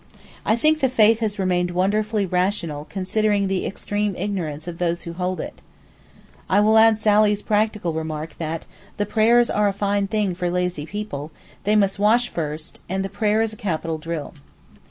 I think the faith has remained wonderfully rational considering the extreme ignorance of those who hold it. I will add Sally's practical remark, that 'The prayers are a fine thing for lazy people; they must wash first, and the prayer is a capital drill.